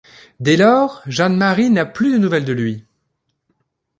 Dès lors, Jeanne-Marie n’a plus de nouvelles de lui.